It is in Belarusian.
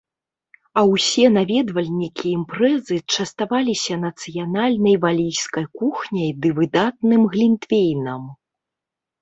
А ўсе наведвальнікі імпрэзы частаваліся нацыянальнай валійскай кухняй ды выдатным глінтвейнам.